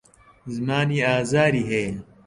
زمانی ئازاری هەیە.